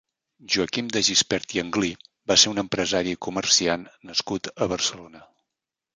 Joaquim De Gispert i Anglí va ser un empresari i comerciant nascut a Barcelona.